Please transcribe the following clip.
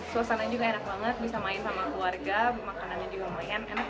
suasana juga enak banget bisa main sama keluarga makanannya juga lumayan enak